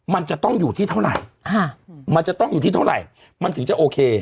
มันจะต้องอยู่ที่เท่าไหร่มันจะต้องอยู่ที่เท่าไหร่มันถึงจะโอเค